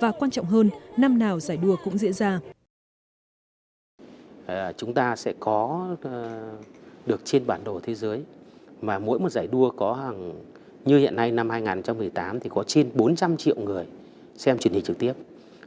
và quan trọng hơn năm nào giải đua cũng diễn ra